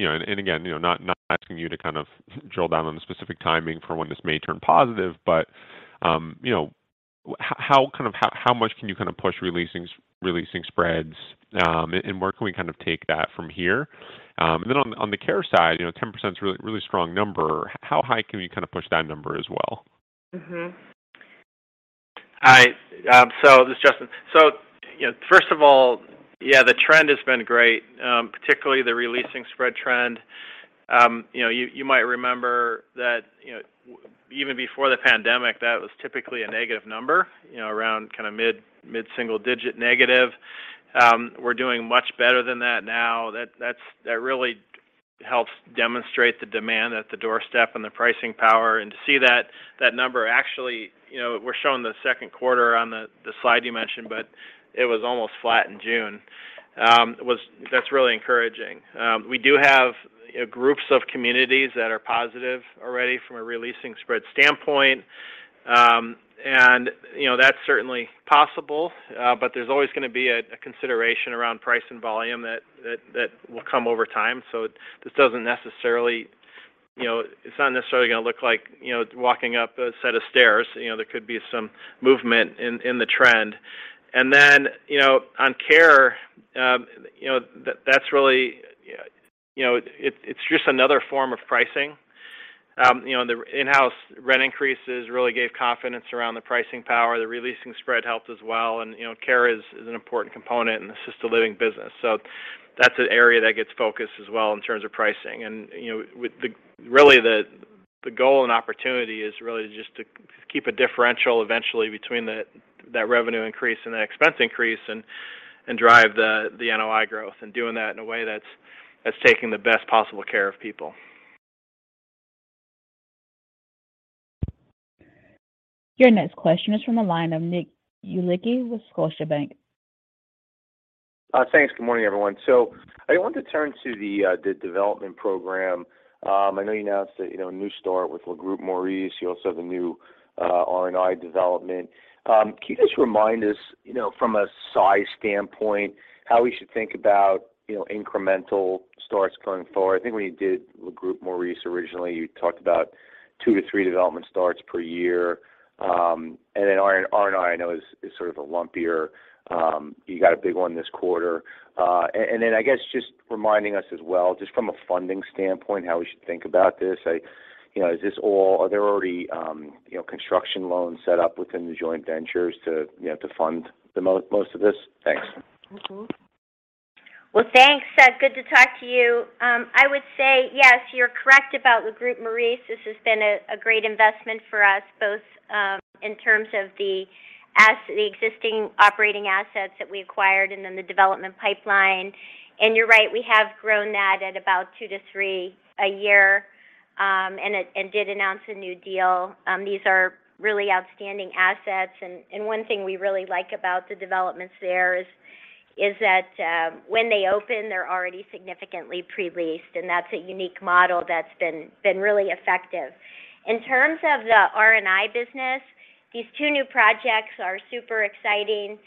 Speaker 14: You know, and again, you know, not asking you to kind of drill down on the specific timing for when this may turn positive, but you know, how much can you kind of push releasing spreads, and where can we kind of take that from here? On the care side, you know, 10%'s a really, really strong number. How high can we kind of push that number as well?
Speaker 4: This is Justin. You know, first of all, yeah, the trend has been great, particularly the releasing spread trend. You know, you might remember that, you know, even before the pandemic, that was typically a negative number, you know, around kinda mid-single-digit negative. We're doing much better than that now. That really helps demonstrate the demand at the doorstep and the pricing power. To see that number actually, you know, we're showing the second quarter on the slide you mentioned, but it was almost flat in June. That's really encouraging. We do have, you know, groups of communities that are positive already from a releasing spread standpoint. You know, that's certainly possible, but there's always gonna be a consideration around price and volume that will come over time. This doesn't necessarily, you know, it's not necessarily gonna look like, you know, walking up a set of stairs. You know, there could be some movement in the trend. You know, on care, that's really, you know, it's just another form of pricing. You know, the in-house rent increases really gave confidence around the pricing power. The releasing spread helped as well. You know, care is an important component in assisted living business. That's an area that gets focused as well in terms of pricing. You know, with the really, the goal and opportunity is really just to keep a differential eventually between that revenue increase and the expense increase and drive the NOI growth, and doing that in a way that's taking the best possible care of people.
Speaker 1: Your next question is from the line of Nick Yulico with Scotiabank.
Speaker 15: Thanks. Good morning, everyone. I want to turn to the development program. I know you announced a, you know, a new start with Le Groupe Maurice. You also have a new R&I development. Can you just remind us, you know, from a size standpoint, how we should think about, you know, incremental starts going forward? I think when you did Le Groupe Maurice originally, you talked about two to three development starts per year. R&I know is sort of a lumpier. You got a big one this quarter. Then I guess just reminding us as well, just from a funding standpoint, how we should think about this. You know, are there already, you know, construction loans set up within the joint ventures to, you know, to fund the most of this? Thanks.
Speaker 3: Well, thanks. Good to talk to you. I would say yes, you're correct about Le Groupe Maurice. This has been a great investment for us both in terms of the existing operating assets that we acquired and then the development pipeline. You're right, we have grown that at about 2-3 a year, and did announce a new deal. These are really outstanding assets and one thing we really like about the developments there is that when they open, they're already significantly pre-leased, and that's a unique model that's been really effective. In terms of the R&I business, these two new projects are super exciting.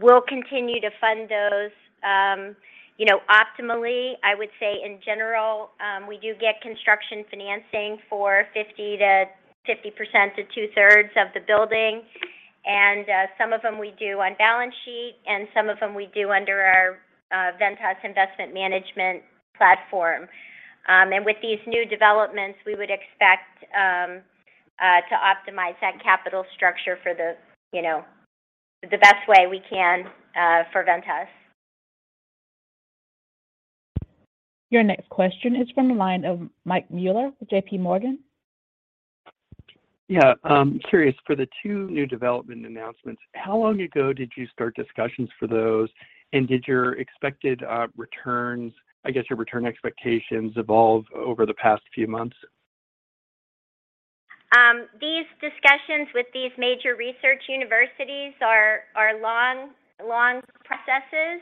Speaker 3: We'll continue to fund those, you know, optimally. I would say in general, we do get construction financing for 50% to two-thirds of the building. Some of them we do on balance sheet, and some of them we do under our Ventas Investment Management platform. With these new developments, we would expect to optimize that capital structure for the, you know, the best way we can, for Ventas.
Speaker 1: Your next question is from the line of Michael Mueller with JPMorgan.
Speaker 16: Yeah. Curious for the two new development announcements, how long ago did you start discussions for those? Did your expected returns, I guess, your return expectations evolve over the past few months?
Speaker 3: These discussions with these major research universities are long processes.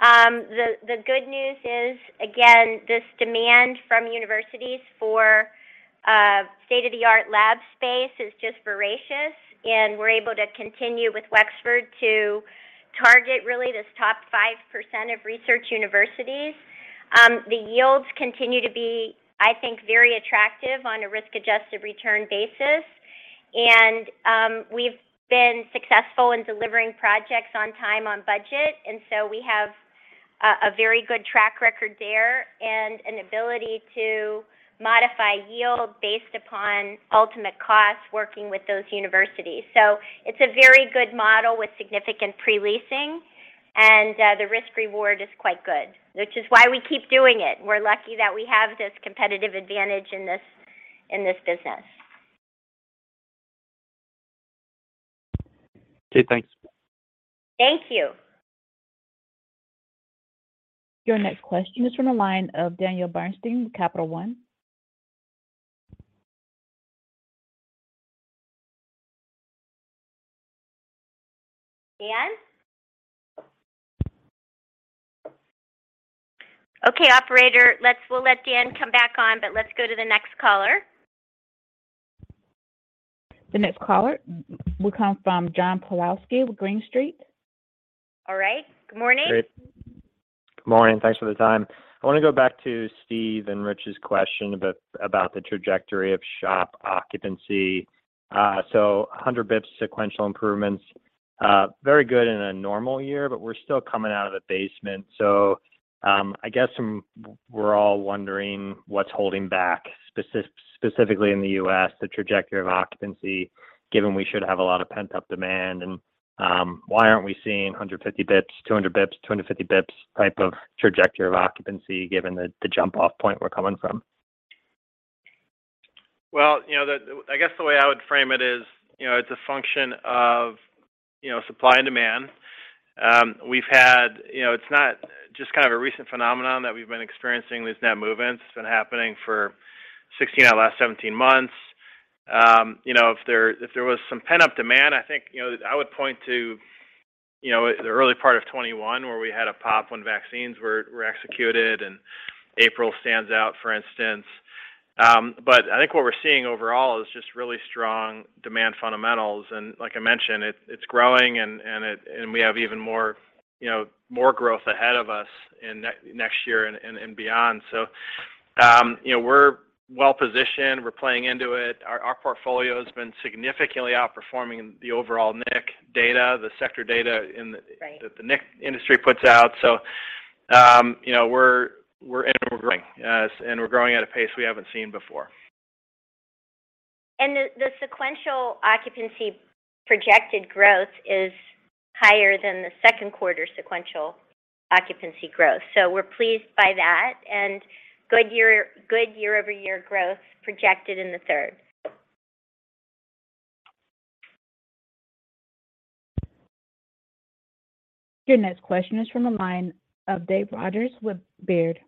Speaker 3: The good news is, again, this demand from universities for state-of-the-art lab space is just voracious, and we're able to continue with Wexford to target really this top 5% of research universities. The yields continue to be, I think, very attractive on a risk-adjusted return basis. We've been successful in delivering projects on time, on budget. We have a very good track record there, and an ability to modify yield based upon ultimate costs working with those universities. It's a very good model with significant pre-leasing, and the risk reward is quite good, which is why we keep doing it. We're lucky that we have this competitive advantage in this business.
Speaker 16: Okay, thanks.
Speaker 3: Thank you.
Speaker 1: Your next question is from the line of Daniel Bernstein, Capital One.
Speaker 3: Dan? Okay, operator, we'll let Dan come back on, but let's go to the next caller.
Speaker 1: The next caller will come from John Pawlowski with Green Street.
Speaker 3: All right. Good morning.
Speaker 17: Great. Good morning. Thanks for the time. I want to go back to Steve and Rich's question about the trajectory of SHOP occupancy. A hundred basis points sequential improvements, very good in a normal year, but we're still coming out of a basement. We're all wondering what's holding back specifically in the U.S., the trajectory of occupancy, given we should have a lot of pent-up demand and why aren't we seeing 150 basis points, 200 basis points, 250 basis points type of trajectory of occupancy given the jump off point we're coming from?
Speaker 4: Well, you know, I guess the way I would frame it is, you know, it's a function of, you know, supply and demand. We've had, you know. It's not just kind of a recent phenomenon that we've been experiencing these net movements. It's been happening for 16 out of the last 17 months. You know, if there was some pent-up demand, I think, you know, I would point to, you know, the early part of 2021 where we had a pop when vaccines were executed and April stands out, for instance. But I think what we're seeing overall is just really strong demand fundamentals, and like I mentioned, it's growing and we have even more, you know, more growth ahead of us in next year and beyond. You know, we're well-positioned, we're playing into it. Our portfolio has been significantly outperforming the overall NIC data, the sector data in the that the NIC industry puts out. You know, we're integrating OI, and we're growing at a pace we haven't seen before.
Speaker 3: The sequential occupancy projected growth is higher than the second quarter sequential occupancy growth. We're pleased by that and good year-over-year growth projected in the third.
Speaker 1: Your next question is from the line of David Rodgers with Baird.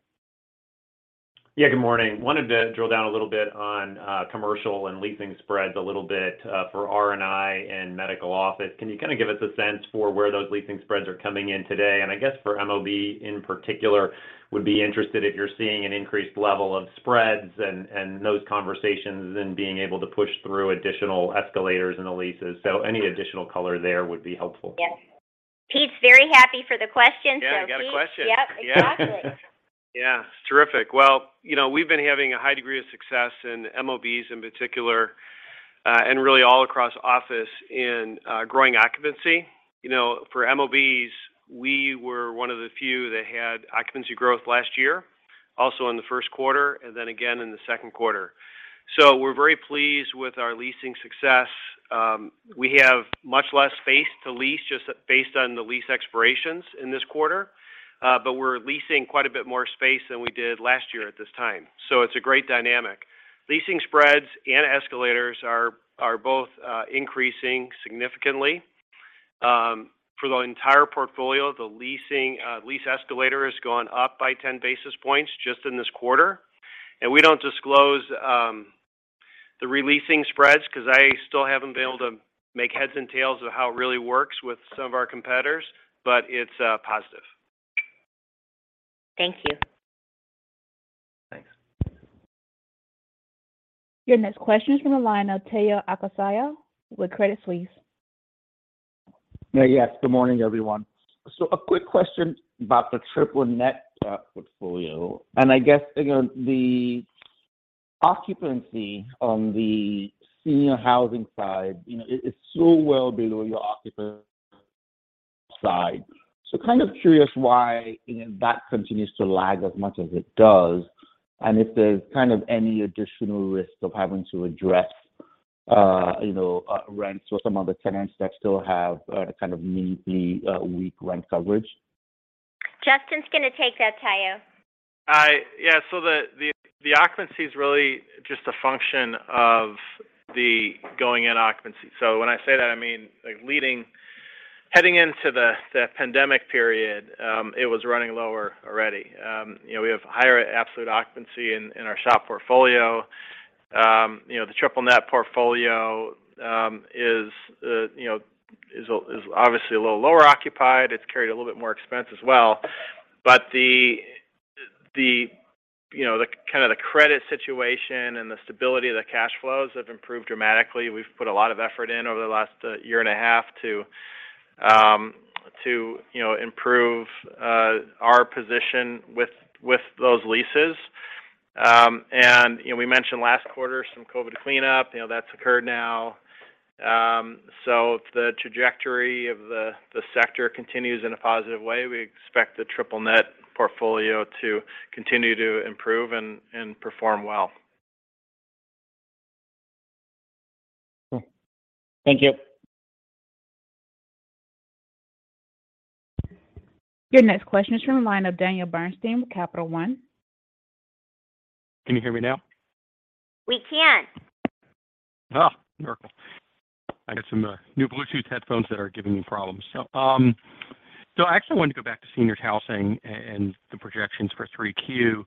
Speaker 18: Yeah, good morning. Wanted to drill down a little bit on commercial and leasing spreads a little bit for R&I and medical office. Can you kind of give us a sense for where those leasing spreads are coming in today? And I guess for MOB in particular, would be interested if you're seeing an increased level of spreads and those conversations and being able to push through additional escalators and the leases. Any additional color there would be helpful. Yes. Pete's very happy for the question. Pete-
Speaker 4: Yeah, I got a question.
Speaker 3: Yep, exactly.
Speaker 4: Yeah. Terrific. Well, you know, we've been having a high degree of success in MOBs in particular, and really all across office in growing occupancy. You know, for MOBs, we were one of the few that had occupancy growth last year, also in the first quarter and then again in the second quarter. We're very pleased with our leasing success. We have much less space to lease just based on the lease expirations in this quarter. We're leasing quite a bit more space than we did last year at this time. It's a great dynamic. Leasing spreads and escalators are both increasing significantly. For the entire portfolio, the lease escalator has gone up by 10 basis points just in this quarter. We don't disclose the re-leasing spreads because I still haven't been able to make heads and tails of how it really works with some of our competitors, but it's positive.
Speaker 3: Thank you.
Speaker 18: Thanks.
Speaker 1: Your next question is from the line of Omotayo Okusanya with Credit Suisse.
Speaker 19: Yeah. Yes, good morning, everyone. A quick question about the triple net portfolio. I guess, you know, the occupancy on the senior housing side, you know, it is so well below your occupancy side. Kind of curious why, you know, that continues to lag as much as it does, and if there's kind of any additional risk of having to address, you know, rents with some of the tenants that still have kind of net lease weak rent coverage.
Speaker 3: Justin's gonna take that, Tayo.
Speaker 4: Yeah. The occupancy is really just a function of the going in occupancy. When I say that, I mean, like, heading into the pandemic period, it was running lower already. You know, we have higher absolute occupancy in our SHOP portfolio. You know, the triple net portfolio is obviously a little lower occupied. It's carried a little bit more expense as well. The credit situation and the stability of the cash flows have improved dramatically. We've put a lot of effort in over the last year and a half to improve our position with those leases. You know, we mentioned last quarter some COVID cleanup. You know, that's occurred now. If the trajectory of the sector continues in a positive way, we expect the triple net portfolio to continue to improve and perform well.
Speaker 19: Thank you.
Speaker 1: Your next question is from the line of Daniel Bernstein with Capital One.
Speaker 20: Can you hear me now?
Speaker 3: We can.
Speaker 20: Oh, miracle. I got some new Bluetooth headphones that are giving me problems. I actually wanted to go back to senior housing and the projections for Q3.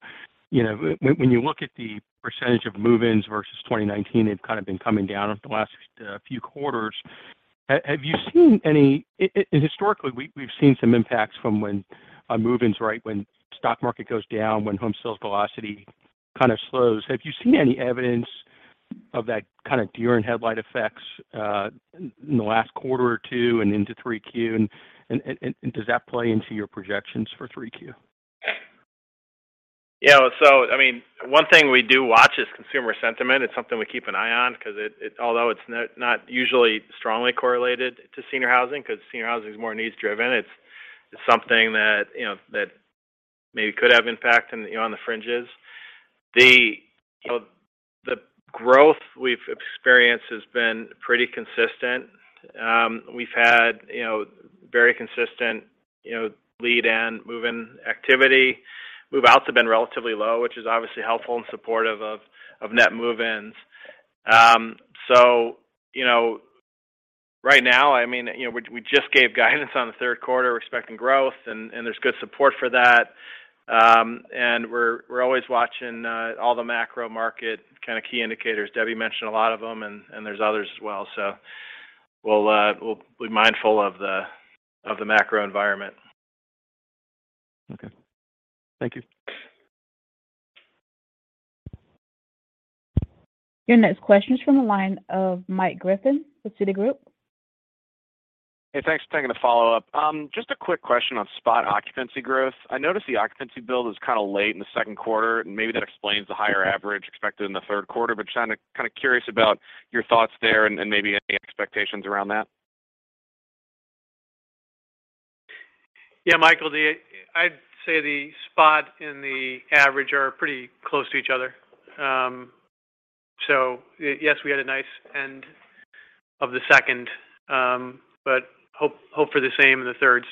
Speaker 20: You know, when you look at the percentage of move-ins versus 2019, they've kind of been coming down over the last few quarters. Historically, we've seen some impacts from when move-ins, right, when stock market goes down, when home sales velocity kind of slows. Have you seen any evidence of that kind of deer-in-headlights effects in the last quarter or two and into Q3? Does that play into your projections for Q3?
Speaker 4: Yeah. I mean, one thing we do watch is consumer sentiment. It's something we keep an eye on because it, although it's not usually strongly correlated to senior housing because senior housing is more needs driven, it's something that, you know, that maybe could have impact on, you know, on the fringes. You know, the growth we've experienced has been pretty consistent. We've had, you know, very consistent, you know, lead and move-in activity. Move-outs have been relatively low, which is obviously helpful and supportive of net move-ins. You know, right now, I mean, you know, we just gave guidance on the third quarter. We're expecting growth and there's good support for that. We're always watching all the macro market kind of key indicators. Debbie mentioned a lot of them, and there's others as well. We'll be mindful of the macro environment.
Speaker 20: Okay. Thank you.
Speaker 1: Your next question is from the line of Michael Griffin with Citigroup.
Speaker 8: Hey, thanks for taking the follow-up. Just a quick question on spot occupancy growth. I noticed the occupancy build was kind of late in the second quarter, and maybe that explains the higher average expected in the third quarter, but just kind of curious about your thoughts there and maybe any expectations around that.
Speaker 4: Yeah, Michael, I'd say the spot and the average are pretty close to each other. Yes, we had a nice end of the second, but hope for the same in the third.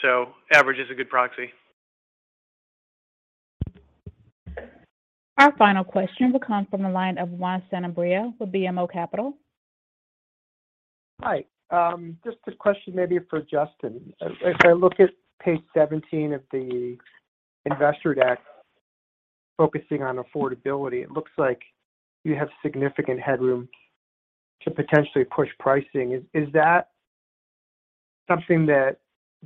Speaker 4: Average is a good proxy.
Speaker 1: Our final question will come from the line of Juan Sanabria with BMO Capital.
Speaker 11: Hi. Just a question maybe for Justin. If I look at page 17 of the investor deck focusing on affordability, it looks like you have significant headroom to potentially push pricing. Is that something that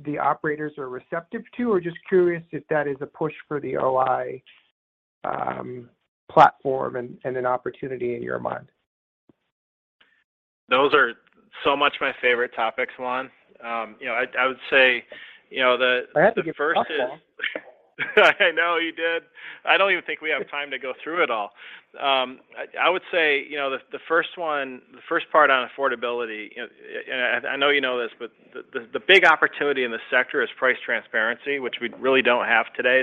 Speaker 11: the operators are receptive to? Or just curious if that is a push for the OI platform and an opportunity in your mind.
Speaker 4: Those are so much my favorite topics, Juan. You know, I would say, you know, the first is-
Speaker 11: I had to give a couple.
Speaker 4: I know you did. I don't even think we have time to go through it all. I would say, you know, the first one, the first part on affordability. I know you know this, but the big opportunity in the sector is price transparency, which we really don't have today.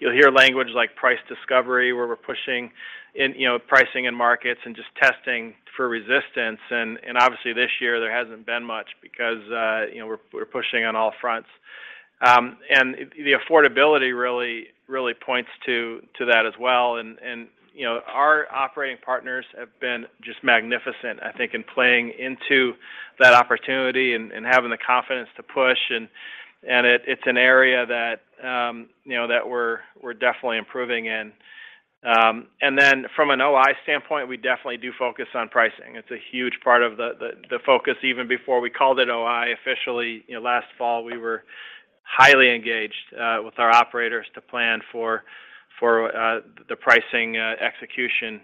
Speaker 4: You'll hear language like price discovery, where we're pushing in, you know, pricing in markets and just testing for resistance and obviously this year there hasn't been much because, you know, we're pushing on all fronts. The affordability really points to that as well and, you know, our operating partners have been just magnificent, I think, in playing into that opportunity and having the confidence to push, and it's an area that, you know, we're definitely improving in. From an OI standpoint, we definitely do focus on pricing. It's a huge part of the focus. Even before we called it OI officially, you know, last fall, we were highly engaged with our operators to plan for the pricing execution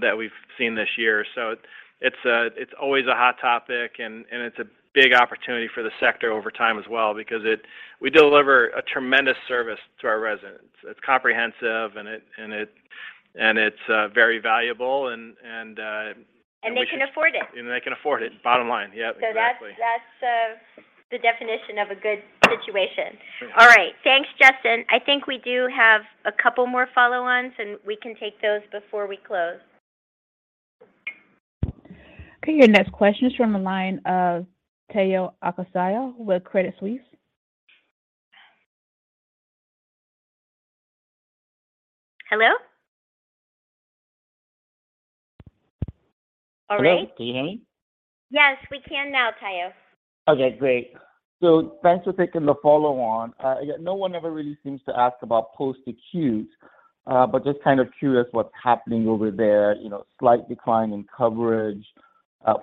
Speaker 4: that we've seen this year. It's always a hot topic and it's a big opportunity for the sector over time as well because we deliver a tremendous service to our residents. It's comprehensive and it's very valuable and
Speaker 3: They can afford it.
Speaker 4: They can afford it, bottom line. Yeah, exactly.
Speaker 3: That's the definition of a good situation.
Speaker 4: Sure.
Speaker 3: All right. Thanks, Justin. I think we do have a couple more follow-ons, and we can take those before we close.
Speaker 1: Okay. Your next question is from the line of Tayo Okusanya with Credit Suisse.
Speaker 3: Hello. All right.
Speaker 19: Hello, can you hear me?
Speaker 3: Yes, we can now, Tayo.
Speaker 19: Okay, great. Thanks for taking the follow on. Yeah, no one ever really seems to ask about post-acutes, but just kind of curious what's happening over there. You know, slight decline in coverage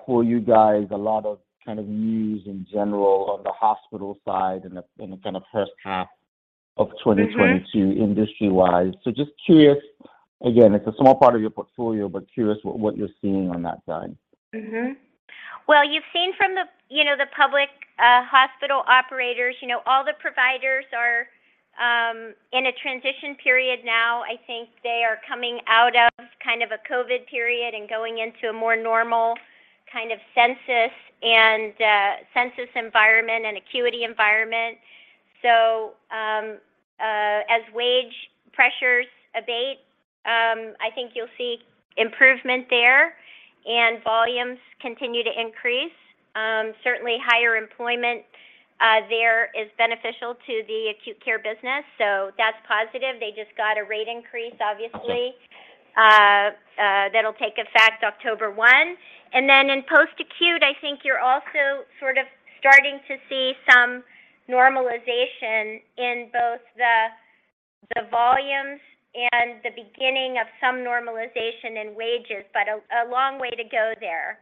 Speaker 19: for you guys. A lot of kind of news in general on the hospital side in the kind of first half of 2020. Industry-wise. Just curious, again, it's a small part of your portfolio, but curious what you're seeing on that side.
Speaker 3: Well, you've seen from the public hospital operators, you know, all the providers are in a transition period now. I think they are coming out of kind of a COVID period and going into a more normal kind of census environment and acuity environment. As wage pressures abate, I think you'll see improvement there and volumes continue to increase. Certainly higher employment there is beneficial to the acute care business, so that's positive. They just got a rate increase, obviously, that'll take effect October 1. Then in post-acute, I think you're also sort of starting to see some normalization in both the volumes and the beginning of some normalization in wages, but a long way to go there.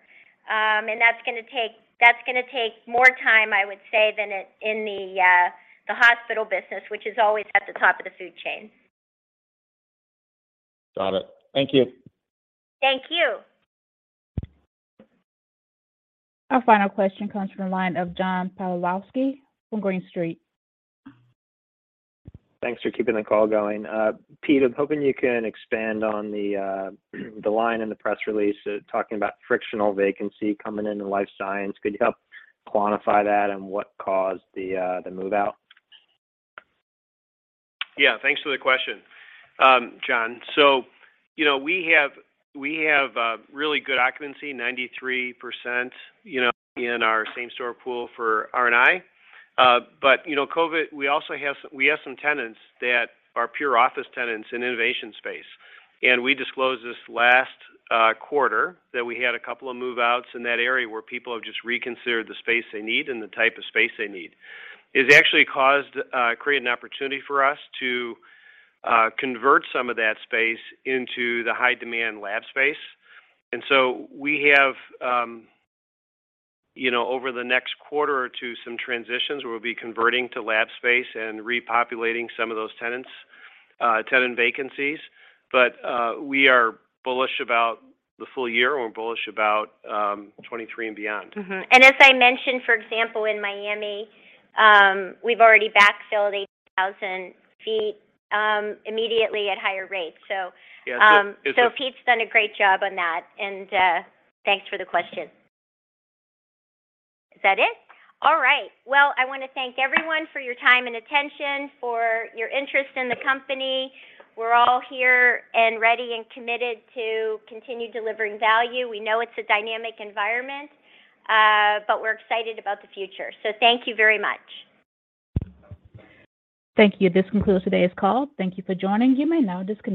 Speaker 3: That's gonna take more time, I would say, than in the hospital business, which is always at the top of the food chain.
Speaker 19: Got it. Thank you.
Speaker 21: Thank you.
Speaker 1: Our final question comes from the line of John Pawlowski from Green Street.
Speaker 17: Thanks for keeping the call going. Pete, I'm hoping you can expand on the line in the press release talking about frictional vacancy coming into life science. Could you help quantify that and what caused the move-out?
Speaker 4: Yeah. Thanks for the question, John. You know, we have really good occupancy, 93%, you know, in our same store pool for NOI. You know, COVID, we also have some tenants that are pure office tenants in innovation space, and we disclosed this last quarter that we had a couple of move-outs in that area where people have just reconsidered the space they need and the type of space they need. It's actually created an opportunity for us to convert some of that space into the high-demand lab space. You know, over the next quarter or two, some transitions where we'll be converting to lab space and repopulating some of those tenant vacancies. We are bullish about the full year. We're bullish about 2023 and beyond.
Speaker 3: As I mentioned, for example, in Miami, we've already backfilled 8,000 feet immediately at higher rates so. Pete's done a great job on that, and thanks for the question. Is that it? All right. Well, I wanna thank everyone for your time and attention, for your interest in the company. We're all here and ready and committed to continue delivering value. We know it's a dynamic environment, but we're excited about the future, so thank you very much.
Speaker 1: Thank you. This concludes today's call. Thank you for joining. You may now disconnect.